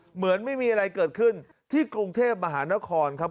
เหมือนไม่มีอะไรเกิดขึ้นที่กรุงเทพมหานครครับ